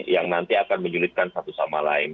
yang nanti akan menyulitkan satu sama lain